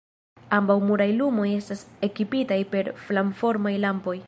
Ambaŭ muraj lumoj estas ekipitaj per flamformaj lampoj.